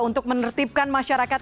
untuk menertibkan masyarakat